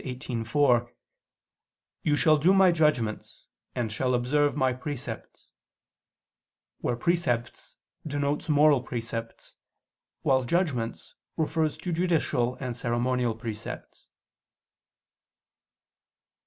18:4: "You shall do My judgments, and shall observe My precepts," where "precepts" denotes moral precepts, while "judgments" refers to judicial and ceremonial precepts.